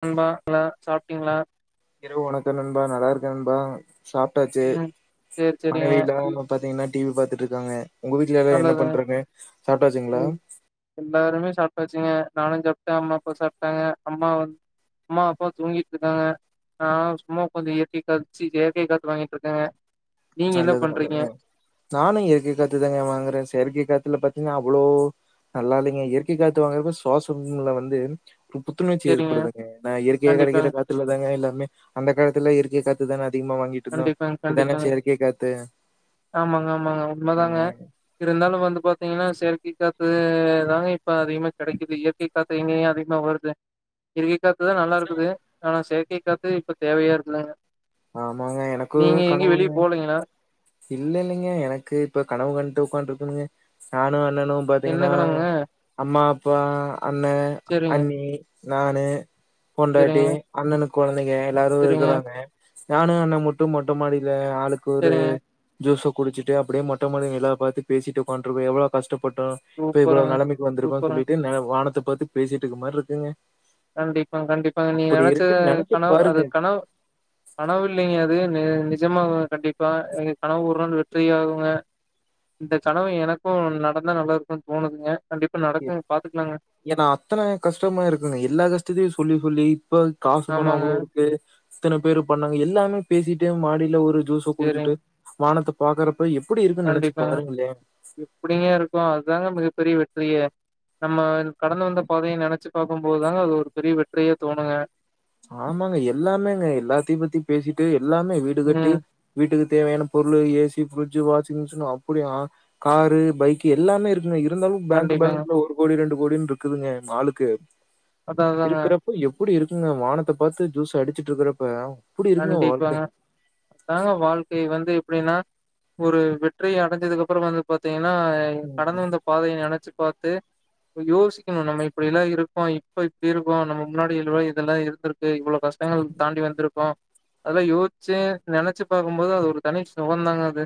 நண்பா என்ன சாப்ட்டிங்ளா இரவு வணக்க நண்பா நல்லாருக்க நண்பா சாப்டாச்சு ம் சேரி சேரிங்க மனைவி எல்லாமே பாத்திங்ன்னா டி வி பாத்துட்ருக்காங்க உங்க வீட்ல எலா என்ன நல்லது பண்ட்ருக்காங்க சாப்ட்டாச்சுங்ளா சாப்டாச்சுங்க நானு சாப்ட்ட அம்மா அப்பா சாப்ட்டாங்க அம்மா வந் அம்மா அப்பா தூங்கிட்ருக்காங்க நா சும்மா ஒக்காந்து ஏ சி காத்து சி இயற்கை காத்து வாங்கிட்ருக்கங்க நல்லது நல்லது நானு இயற்கை காத்து தாங்க வாங்குறேன் செயற்கை காத்துல பாத்தீங்கன்னா அவ்ளோ நல்லா இல்லைங்க இயற்கை காத்து வாங்குறப்ப சுவாசம்ல வந்து புத்துணர்ச்சி சேரிங்க ஏற்படுதுங்க ஏன்னா இயற்கையை கிடைக்கிற கண்டிப்பாங்க காத்துல தாங்க எல்லாமே அந்த காலத்துல இயற்கை காத்து இதங்க அதிகமா வாங்கிட்டு இருந்த கண்டிப்பாங்க இப்தானே கண்டிப்பாங்க சேரி ஆமாங்க ஆமாங்க உண்ம தாங்க இருந்தாலும் வந்து பாத்தீங்கன்னா செயற்கை காத்து தாங்க இப்ப அதிகமா கிடைக்குது இயற்கை காத்து எங்கேயுங்க அதிகமா வருது இயற் காத்துதா நல்லா இருக்குது ஆனா சே கைகாத்து இப்ப தேவையா இருக்லங்க ஆமாங்க எனக்கும் கனவுங்க போலீங்களா இல்ல இல்லைங்க எனக்கு இப்ப கனவு கண்டுட்டு உட்காந் இருக்குனுங்க நானும் என்னனும் எண்ணெ பாத்தீங்கன்னா கணக்குங்க அம்மா அப்பா அண்ணே செரிங்க அண்ணி நானு செரிங்க பொண்டாட்டி அண்ணனுக் குழந்தைங்க எல்லாரும் செரிங்க இருக்கறாங்க நானும் அன்னமுட்டும் மொட்டை மாடியில ஆளுக்கு ஒரு செரிங்க ஜூஸ குடிச்சிட்டு அப்படியே மொட்டமாடி நிலாவ பாத்து பேசிட்டு ஓக்கான்ட்டுஇருக்கோம் எவ்வளோ கஷ்ட பட்டோம் இப்ப இவ்வளவு சூப்பருங்க நிலமைக்கு வந்திருக்கும் சூப்பருங்க சொல்லிட்டு வானத்தை பத்தி பேசிட்டுக்கு மாரி இருக்குங்க கண்டிப்பா கண்டிப்பா நீ அப்டி நினைச்ச இருக்குன்னு நெனச்சு கனவு அது பாருங்க கனவு கனவு இல்லைங்க அது நிஜமாகங்க கண்டிப்பா எங்க கனவு ஒரு நாள் வெற்றி ஆகுங்க இந்த கனவு எனக்கும் நடந்தால் நல்லாிருக்கும்ன்னு தோணுதுங்க கண்டிப்பா ஏ நடக்குங்க பாத்துக்கலாங்க ஏனா அத்தன கஷ்டமா இருக்குங்க எல்லா கஷ்ட த்தயு சொல் இப்ப காசு பணம் ஆமாங்க அவ்ளோ இருக்கு இத்தன பேரு பண்ணாங்க எல்லாமே பேசிட்டு மாடியில ஒரு ஜூஸ குடிச்சுட்டு செரிங்க வானத்த பாக்கரப் கண்டிப்பாங்க எப்டிங்க இருக்கும் அதாங்க மிகப்பெரிய வெ ற்றியே நம்ம கடந்து வந்த பாதையை நெனச்சு பாக்கும் போதுதாங்க அது ஒரு பெரிய வெற்றியே தோணுங்க ஆமாங்க எல்லாமேங்க எல்லாத்தையும் பத்தி பேசிட்டு எல்லாமே வீடு கட்டி ம் வீட்டுக்கு தேவையான பொருள் ஏசி பிரட்ஜ் வாஷிங் மிஷின் அப்டி காரு பைக் எல்லாமே இருக்குங்க இரு இருந்தாலும் பேங்க் கண்டிப்பாங்க பேலன்ஸ்ல ஒரு கோடி ரெண்டு கோடினு இருக்குதுங்க ஆளுக்கு அதா அதாங்க அப்பிடி இருக்குங்க வானத்த பாத்து ஜூஸ் அடிச்சிட்டு இருக்கறப்ப கண்டிப்பாங்க அதாங்க வாழ்க்கை வந்து அப்டின்னா ஒரு வெற்றி அடைஞ்சதுக்கு அப்புறோ வந்து பாத்தீங்கன்னா என்ன ம் கடந்து வந்த பாதையை நெனைச்சு பாத்து து இப்ப யோசிக்கணும் நம்ம இப்டில்லா இருக்கோ இப்ப இப்டி இருக்கோ நம்ம முன்னாடி எழு இதெல்லா இருந்திருக்கு இவ்ளோ கஷ் டங்கள் தாண்டி வந்துரு கோம அதெல்லா யோஸ்ச்சி நெனச்சு பாக்கும்போது அது ஒரு தனி சுகந்தாங்க அது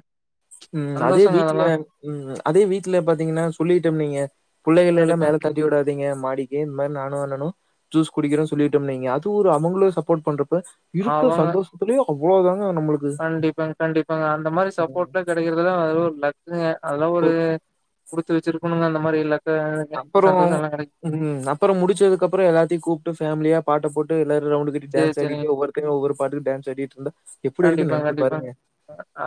உம் அதே சந்தோஷங்க வீட்ல அதெல்லாம். உம் அதே வீட்ல பாத்தீங்கன்னா சொல்லிட்டோ வெய்யெ புள்ளைகலெல்லா கண்டிப்பாங்க. மேல தட்டி விடாதீங்க மாடிக்கு இனிமே நானும் அண்ணனு ஜூஸ் குடிக்கிறோ சொல்லிட்டோ வெய்க அது ஒரு அவுங்களு சப்போர்ட் பண்ற இருக்க சந்தோஷத்திலயு அவ்ளோதா கண்டிப்பாங் கண்டிப்பாங்க அந்த மாரி சப்போர்ட்லா கெடைக்கிற இதுதா ஒரு லக்குங்க அதெல்லா ஒரு குடுத்து வெச்சிருக்கணுங்க அந்த மாரி லக் அப்புறோம் உஹம் அப்புறோ முடிச்சதுக்கு அப்புறோ எல்லாத்தையு கூப்டு ஃபேமிலியா பாட்ட போட் டு லெப் ரவுண்டு கட்டி சேரி, டான்ஸ் சேரிங்க. ஆடிட்டு ஒவ்வொருத்தவங்க ஒவ்வெரு பாட்டுக்கு டான்ஸ் ஆடிட்டிருந்தா கண்டிப்பா கண்டிப்பா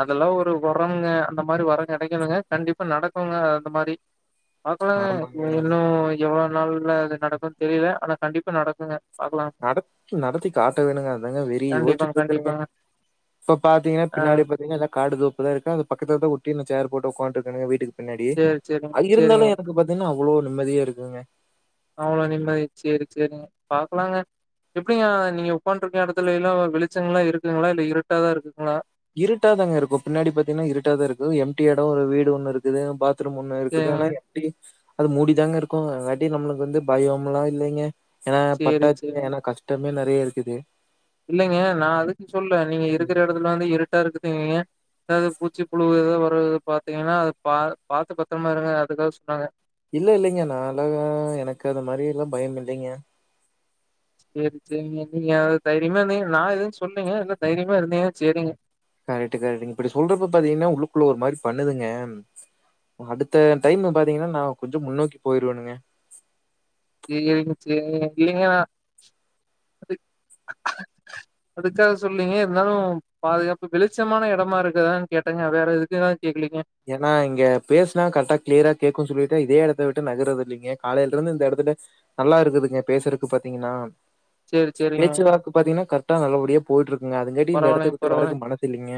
அதெல்லா ஒரு வரம்ங்க அந்த மாரி வரோ கெடைக்கனுங்க கண்டிப்பா நடக்குங்க அந்த மாரி பாங்களாங்க ஆமாங்க. இனி இன்னு எவ்ளோ நாள்ல அது நடக்குன்னு தெரியல ஆனா கண்டிப்பா நடக்குங்க பாக்கலாம். நடத் நடத்தி காட்ட வேணுங்க அதாங்க வெறி கண்டிப்பாங்க, யோச்சிட்டு இருக்கேணுங்க கண்டிப்பாங்க. இப்போ பாத்தீங்கன்னா ஆ பின்னாடி பாத்தீங்கன்னா எல்ல காடு தோப்புதா இருக்கு அது பக்கத்துல தா ஒட்டியிருக் சேர் போட்டு உக்காண்டு இருக்கேங்க வீட்டுக்கு பின்னாடியே சரி, சரிங்க, அது சரிங்க. இருந்தாலும் எனக்கு பாத்தீங்கன்னா இவ்ளோ நிம்மதியா இருக்குங்க அவ்ளோ நிம்மதி செர் செரிங்க பாக்கலாங்க எப்டிங்கா நீங்க உக்காண்டிருக்க எடத்துல எல்லா வெளிச்சங்கள்லா இருக்குங்களா இல்ல இருட்டாதா இருக்குங்களா இருட்டா தாங்க இருக்கும் பின்னாடி பாத்தீங்கன்னா இருட்டா இருக்கு எம்டி எடோ ஒரு வீடு ஒன்னு இருக்குது பாத் த்ரூமு ஒன்னு இருக்குது சரிங்க. ஆனா எட்டி அது மூடிதாங்க இருக்கோ அதாட்டி நம்மளுக்கு வந்து பயோம்லா இல்லிங்க ஏன்னா சரி, பட்டாத்து சரிங்க. என்னா கஷ்டம் மேல் நெறைய இருக்குது இல்லைங்க நா அதுக்கு சொல்ல நீங்க இருக்குற ம். எடத்துல வந்து இருட் ட்டா இருக்குதீங்கிங்க அதாது பூச்சி புழுவு ஏதாவு வரு பாத்தீங்கன்னா அது பா பாத்து பத்தரமா இருங்க அதுக்காக சொன்னாங்க இல்ல இல்லலைங்க நானு‌ அ எனக்கு அது மாதிரி எல்லா பயோ இல்லைங்க சேர் சேரிங்க நீங்க அது தைரியமா இருந்தீங்க நா எதுவு சொல்லீங்க இல்ல தைரியமா இருந்தீங்க சேரிங்க கரேக்ட் கரேக்ட் இப்டி சொல்றப்ப பாத்தீங்கன்னா உள்ளுக்குள்ள ஒரு மாரி பண்ணுதுங்க அடுத்த டைம் பாத்தீங்கன்னா நா கொஞ்சோ முன்னோக்கி போயிருவேணுங்க ஏ எதுக் சேரி இல்லங்க நா அதுக் அதுக்காக சொல்லீங்க இருந்தாலும் பாதுகாப்பு வெளிச்சமான எடமா இருக்குதா கேட்டங்க வேற எதுக்கா ஏன்னா இங்க பேஸ்னா கரெக்டா கிளியரா கேக்குன் சொல்லிட்டு இதே எடத் த்த விட்டு நகறது இல்லிங்க காலையில இருந்து இந்த எடத்துல நல்லா இருக்குதுங்க பேசுறக்கு பாத்தீங்கன்னா சேரி சேரிங்க பேச்சுவாக்கு பாத்தீங்கன்னா கர்ட்டா நல்லபடியா போயிட்டு இருக் ம் அதுங்காட்டி இந்த எடத்த பரவாயில்லைங்க விட்டு வறக்கு பரவாயில்லைங்க மனத்தில்லிங்க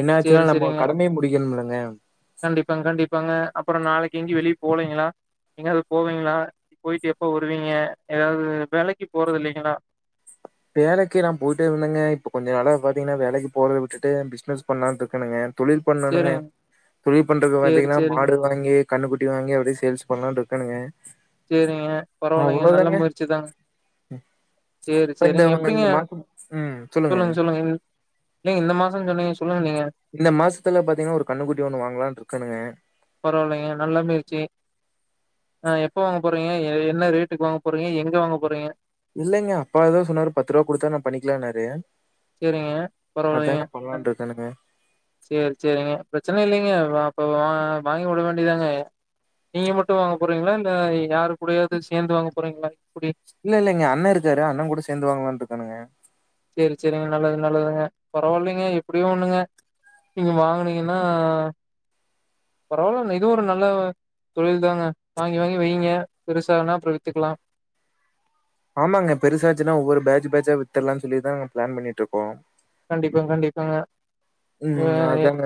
என்ன ஆச்சுன்னா நம்ம கடமையே முடிக்கணும்ல்லங்க கண்டிப்பாங் கண்டிப்பாங்க அப்புறோம் நாளைக்கி எங்கும் வெளிய போலேங்களா எங்காது போவீங்களா போயிட்டு எப்ப வருவீங்க ஏதாது வேலைக்கு போறது இல்லைங்களா வேலைக்கி நா போயிட்டே இருந்தங்க இப்ப கொஞ்ச நால பாத்தீங்கன்னா வேலைக்கு போறத விட்டுட்டு பிஸ்னஸ் பண்ணலாம் ட்ருக்கணுங்க தொழில் பண்ணணுங்க சேரிங்க தொழில் பண்றது சேரி பாத்தீங்கன்னா சேரிங்க மாடு வாங்கி கண்ணுகுட்டி வாங்கி அப்டியே சேல்ஸ் பண்ணலான் ட்ருக்கேனுங்க செரிங்க பரவாயில்லைங்க நல்ல முயற்சிதான் சேரி இப்ப சேரிங்க இந்வுதங்க எப்படிங்க இந்த மாசம் ம் சொல்லுங்க இல்ல இந்த மாசம் சொன்னீங்க சொல்லுங்க நீங்க. இந்த மாசத்துல பாத்தீங்கன்னா ஒரு கண்ணுக்குட்டி ஒண்ணு வாங்கலான்னு இருக்கணுங்க ஆ எப் ப்போ வாங்க போறீங்க என்ன ரேட்டுக்கு வாங்க போறீங்க எங்க வாங்க போறீங்க இல்லைங்க அப்பாதான் சொன்னாரு பத்து ரூபா குடுத்தா நான் பண்ணிக்கலனாறு சேரிங்க பரவாயிலங்க ம் இருக்கானுங்க சேரி சேரிங்க பிரச்சனை இல்லிங்க அப்ப வா வாங்கி விட வேண்டியதாங்க நீங்க மட்டும் வாங்க போறீங்களா இல்ல யாரு முடியாது சேந்து வாங்கு கொறைங்களா குடி இல்ல இல்ல இங்க அண்ணன் இருக்காரு அண்ணன் கூட சேந்து வாங்கலான்ட்டு இருக்கனுங்க சேரி சேரிங்க நல்லது நல்லதுங்க பரவாயில்லைங்க எப்பிடியும் ஒண்ணுங்க நீங்க வாங்குனீங்கன்னா பரவாயில்ல இதுவும் ஒரு நல்ல தொழில் தாங்க வாங்கி வாங்கி வையுங்க பெருசானா அப்றோ வித்துக்கலா ஆமாங்க பெசாச்சுன்னா ஒவ்வொரு பேஜ் பேஜ்சா வித்துடலாம் சொல்லிதான் நாங்க பிளான் பண்ணிட்டு இருக்கோ கண்டிப்பா கண்டிப்பா ம் அதாங்க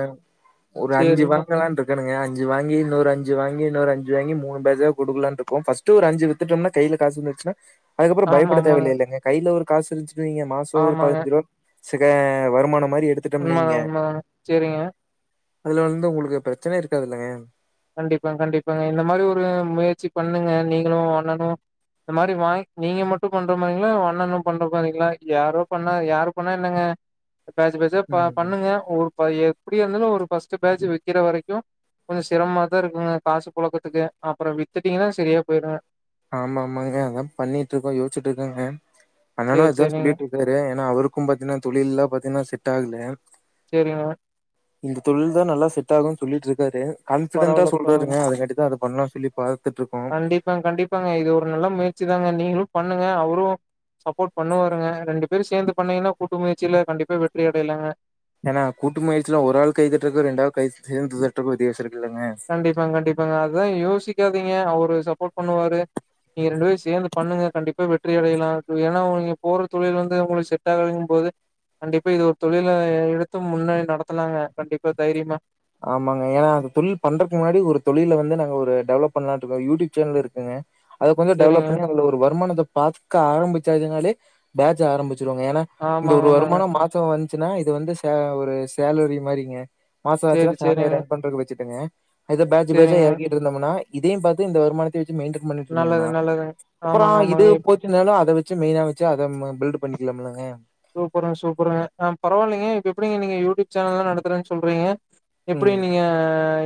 ஒரு அஞ்சு சரிங்க. வாங்கலா இருக்கனுங்க அஞ்சு வாங்கி இன்னொரு அஞ்சு வாங்கி இன்னொரு அஞ்சு அஞ்சு வாங்கி மூணு பேஜ்ஜா குடுக்குலாம்ட்டு இருக்கோம் ஃபர்ஸ்ட் ஒரு அஞ்சு வித்துட்டோம்னா கையில காசு இருந்துச்சுன்னா அதுக்கப்பறோ ஆமா, பயப்பட ஆமாங்க. தேவையில்லைங்க கையில ஒரு காசு இருந்ச்சு நீங்க மாசோ ஒரு ஆமாங்க. பதினஞ்சு ரூபா ச்சிக்க வருமானம் மாரி எடுத்துட்டம்ன்னு வைங் உண்மதாங் சேரிங்க அதுல வந்து உங்களுக்கு பிரச்சன இருக்காது இல்லங்க கண்டிப்பாங் கண்டிப்பாங்க இந்த மாரி ஒரு முயற்சி பண்ணுங்க நீங்களு அண்ணனு இந்த மாரி வாங் நீங்க மட்டு பண்ற மாரிங்ளா உங்க அண்ணனு பண்ற மாரிங்ளா யாரோ பண்ணா யாரு பண்ணா என்னங்க பேஜ் பேஜா ப ம் பண்ணுங்க ஒரு பா எப்டியாந்தாலு ஒரு ஃபர்ஸ்ட் பேட்ஜ் வெக்கிற வரைக்கு கொஞ்சோ சிரமமாதா இருக்குங்க காசு புழக்கத்துக்கு அப்றோ வித்துட்டீங்கன்னா செரியா போயிருங்க ஆமாமாங்க அதா பண்ணிட்டு இருக்கோ யோச்சிட்டு இருக்கோங்க சரி அண்ணனு இதா சரிங்க. சொல்லிட்டு இருக்காரு ஏனா அவருக்கு பாத்தீன்னா தொழில்லா பாத்தீன்னா செட் டாகுல சேரிங்க இந்த தொழில்தா நல்லா செட் ஆகுனு சொல்லிட்டு இருக்காரு கான்ஃபிடண்டா பரவால்ல சொல்றாருங்க அது காண்டிதா அது பண்ணலான் சொல்லி பா கண்டிப்பாங் கண்டி ப்பாங்க இது ஒரு நல்ல முயற்சிதாங்க நீங்களு பண்ணுங்க அவரு சப்போர்ட் பண்ணு வாருங்க ரெண்டு பேரு சேந்து பண்ணீங்கன்னா கூட்டு முயற்சில கண்டிப்பா வெற்றி அடையலாங்க ஏனா கூட்டு முயற்சில ஒரு ஆள் கை தட்டறதுக்கு ரெண்டு ஆள் கை சேந்து தட்டறதுக்கு வித்தியாசோ இருக்கு கண்டிப்பாங் கண்டிப்பாங்க அதா யோசி கக்காதிங்க அவரு சப்போர்ட் பண்ணுவாரு நீங்க ரெண்டு பேரு சேந்து பண்ணுங்க கண்டிப்பா வெற்றி அடையலா ஏனா உங்ளுக் நீங்க போற தொழில் வந்து உங்களுக்கு செட் ஆகலிங் போது கண்டிப்பா இது ஒரு தொழில எடுத்து முன்னாடி நடத்தலாங்க கண்டிப்பா தைரியமா ஆமாங்க ஏனா அந்த தொழில் பண்றக்கு முன்னாடி ஒரு தொழில வந்து நாங்க ஒரு டெவலப் பண்லான்ட்ருக்கோ யூடியூப் சேனல் இருக்குங்க அத கொஞ்ச டெவலப் சரிங்க. பண்ணி அதுல ஒரு வருமானத்த பாக்க ஆரம்பிச்சாச்சு னாலே பேட்ஜ் ஆரம்பி ருவங்க ஏனா இந்த ஆமாங்க, ஒரு ஆமாங்க. வருமான மாச வந் த்துனா இது வந்து சே ஒரு சேலரி மாரிங்க மாச லா சரி, ஃபேமிலிய சரிங்க, ரன் பண்றக்கு வெச்சுட்டங்க இத பேட்ஜ் பேட்ஜா சரிங்க. எறக்கிட்டு இருந்தம்னா இதையும் பாத்து இந்த வருமானத்தையு வெச் மெயின்டென் பண்ணிட்ருந்தம்னா நல்லது, நல்லதுங்க. அப்பற ஆமாங்க, இது ஆமாங்க. இப் போச்சினாலு அத வெச் சு மெய்னா வெச்சு அத பில்டு பண்ணிக்கலாமில்லங்க சூப்பருங் சூப்பருங்க ஆ பரவால்லைங்க இப்ப எப்படிங்க நீங்க யூடியூப் சேனல்லா நடத்துறன் சொல்றிங்க எப்பிடி ம். நீங்க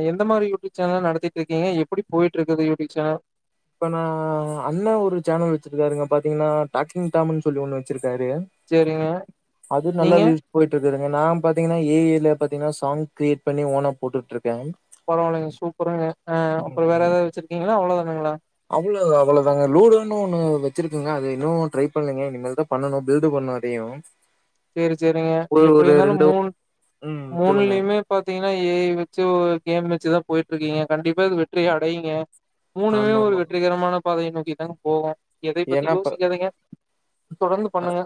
எ எந்த மாரி யூடியூப் சேனல் நடத்திட்ருக்கிங்க எப்படி போயிட்ருக்குது யூடியூப் சேனல் இப்ப நா அண்ண ஒரு சேனல் வெச்சிருக்காருங்க பாத்திங்கனா டாக்கிங் டாம்னு சொல்லி ஒண்ணு வெச்சிருக் காரு சரிங்க. அது நல்லா நீங்க? வியூஸ் போயிட்ருக் ங்க நா பாத்திங்கனா ஏ ஐ ல பாத்திங்கனா சாங் கிரியேட் பண்ணி ஓனா போட்டுட்ரு பரவாயில்லைங்க சூப்பருங்க ஹ அப்புறம் வேற ஏதாவது வச்சிருக்கீங்களா அவ்ளோத [unintelligible] அவ்வளோ அவ்வளவுதாங்க லூடோன்னு ஒண்ணு வச்சிருக்கங்க அது இன்னும் ட்ரை பண்ணலைங்க இனிமேல் தான் பண்ணணும் பில்டு பண்ணும் அதையும். சேரி சேரிங்க எப்படி இருந்தாலும் மூனு ம் சொல்லுங்க மூனுலையுமே பாத்தீங்கன்னா ஏ ஐ வச்சு ஒரு கேம் வச்சிதா போயிட்டு இருக்குங்க கண்டிப்பா இது வெற்றி அடையுங்க மூணுமே ஆமா ஒரு ஆமா வெற்றிகரமான பாதை நோக்கி தா போவா எதை பத்தி ஏன்னா இப்ப யோசிக்காதிங்க தொடர்ந்து பண்ணுங்க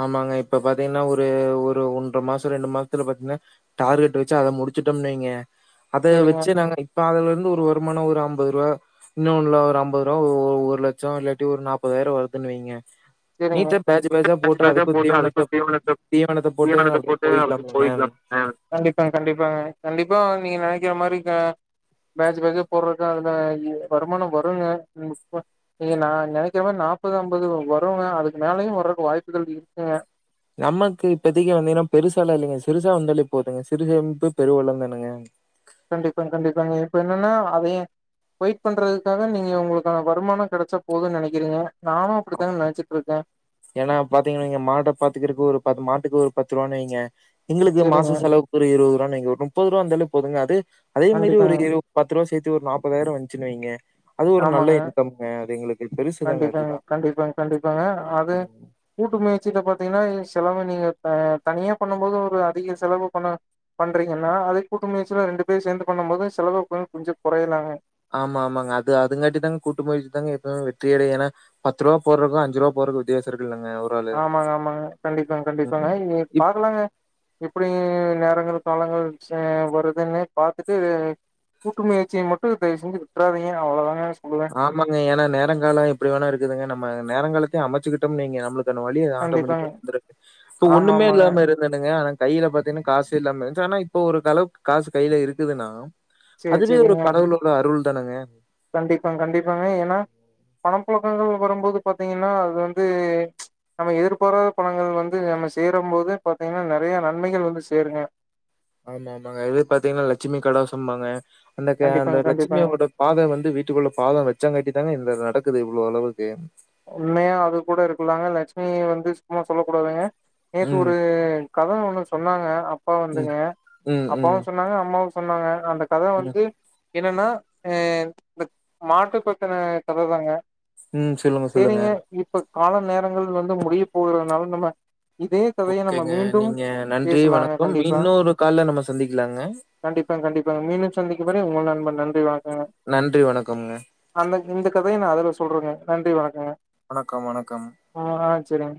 ஆமாங்க இப்ப பாத்தீங்கன்னா ஒரு ஒரு ஒன்ற மாசம் ரெண்டு மாசத்துல பாத்தீனா டார்கெட் வச்சா அத முடிச்சுட்டோம்னு வைங்க அது சேரிங்க வச்சு நாங்க இப்ப அதுலந் ஏதொரு வருமானம் ஒரு அம்பதுருவ இன்னொன்னுல ஒரு அம்பதுருவ ஒ ஒரு லட்சம் ஒரு நாப்பதாயிரம் வருதுனு வைங்க சரிங்க நீட்டா பேட்ச் பேட்ச்சா போட்டு கண்டிப்பா அதுக்கு தீவனத்த தீவனத்த போட்டு அப்டியே போய்க்கலாம்லங்க. கண்டிப்பா அஹ் கண்டிப் ப்ப நீங்க நினைக்கிற மாறி கா பேஜ் பேஜ் அஹ போடுறதுக்கதுல வருமானம் வரும்ங்க ஹம் நீங்க நா நினைக்கிற மாதிரி நாப்பது அம்பது வரு அப்புறங்க அதுக்கு மேலயும் வரத்துக்கு வாய்ப்புகள் இருக்குங்க நமக்குப் இப்பதைக்கு வந்தீங்கன்னா பெருசாளா இல்லைங்க சிறுசா வந்தாலே போதுங்க சிறுசேமிப்பு பெருவெள்ளம் தானங்க. கண்டிப்பா கண்டிப்பாங்க இப்ப என்னென்னா அதையே வெயிட் பண்றதுக்காக நீங்க உங்களுக்கான வருமானம் கிடைச்சா போதும்னு நினைக்கிறீங்க நானும் அப்படித்தாங்க நினைச்சிட்டு இருக்கன். ஏன்னா பாத்தீங்கன்னுவைங்க மாட பாத்துக்கிறத்து ஒரு பத்து மாட்டுக்கு ஒரு பத்து ரூவானுவைங்க. எங்களுக்கு சரிங்க. மாசம் செலவுக்கு ஒரு இருவதுருவானு வைங்க ஒரு முப்பதுருவ இருந்தாலே போதுங்க அதே அதேமேரி ஒரு கண்டிப்பாங்க. இரு பத்துருவ சேத் எப்டியொரு நாப்பதாயிரம் வந்ச்சுனு வைங்க. அது ஒரு நல்ல ஆமாங்க. இன்கம்ங்க அது எங்களுக் கண்டிப்பாங்க கண்டிப்பாங்க கண்டிப்பாங்க அ அது கூட்டு ம ஜி பே பாத்தீங்கன்னா செலவு நீங்க தா தனியா பண்ணும் போது ஒரு அதிக செலவு பண்ண பண்றீங்கண்ணா அத கூட்ட முயற்சில ரெண்டு பேர் சேந்து பண்ணும் போது செலவு கொஞ்ச கொஞ்சோ குறையலாங்க ஆமா ஆமாங்க அது அதுங்கட்டி தா கூட்டுப் போயிட்டுதாங்க எப்பவு வெற்றி அடையு ஏன்னா பத்து ரூவா போறதுக்கும் அஞ்சு ரூபா போறக்கும் வித்தியாச இருக் ஆமாங்க ஆமாங்க கண்டிப்பாங்க கண்டிப்பாங்க இனி ம். பாக்கலாங்க எப்டிங்க நேரங்கள் காலங்கள் சே வருதுன்னு பாத்துட்டு இது கூட்டு முயற்சிய மட்டு தயவு செஞ்சு விட்டுறாதீங்க அவ்வளோ தாங்க ஆமாங்க ஏன்னா நேரோ காலோ எப்டி வேணோ இருக்குதுங்க நம் நம்ம நேரம் காலத்தையு அமைச்சிக்கிட்டோம்னு வெயிங்க நம்மளுக்கு தென் வழிய ஆட்டோமேட்டிக்க கண்டிப்பாங்க வந்துட்டது இப்ப ஆமா ஒன்னுமே ஆமாங்க இல்லாம இருந்தேனுங்க ஆனா கையில பாத்தீங்கன்னா காசு இல்லாம இருந்துச்சு ஆனா இப்ப ஒரு அளவுக்கு காசு கையில இருக்குதுன்னா சேரி அதுவே ஒரு சேரிங்க கடவுளோட அருள் ட்டனுங்க கண்டிப்பாங்க கண்டிப்பாங்க ஏன்னா பண புழக்கங்கள் வரும்போது பாத்தீங்கன்னா அது வந்து நம்ம எதிர்பாரத பலன்கள் வந்து நம்ம சேரும் போது பாத்தீங்கன்னா நறைய நன்மைகள் வந்து சேருங்க ஆமா ஆமாங்க இதே பாத்தீங்கன்னா லட்சுமி கடாட்சம்பாங்க அந்த க அந்த கண்டிப்பாங்க லட்சுமி கண்டிப்பாங்க அவுங்களோட பாதோ வந்து வீட்டுக்குள்ள பாதோ வெச்சாங்கட்டி தா இந்த நடக் இருக்குது இவ்ளோ அளவுக்கு உண்மையா அது கூட இருக்கலாங்க லட்சுமிய வந்து சும்மா சொல்ல கூடாதுங்க நேத்து ம், ஒரு கத ஒண்ணு சொன்னாங்க அப் அப்பா ம், வந்துங்க ம், ம், அப்பாவு சொன்னாங்க அம்மாவு ஸ் சொன்னாங்க அந்த கத ம், வந்து என்னனா அ இந்த மாட்டு பத்தின கததாங்க ம் சொல்லுங்க சொல்லுங்க சேரிங்க இப்ப கால நேரங்கள் வந்து முடிய போகிறதுனால நம்ம இதே கதைய நம்ம ஓகேங்க மீண்டும் நீங்க நன்றி பேசலாங்க வணக்கம் கண்டிப்பா இன்னொரு கால்ல நம்ம சந்திக்கலாங்க சரிங் நண்பா நன்றி வணக்கம் நன்றி வணக்கம்ங்க தைய நா அதுல சொல்றேங்க நன்றி வணக்கங்க வணக்கம் வணக்கம் சரிங்